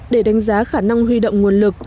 để đánh giá khả năng huy động nguồn lực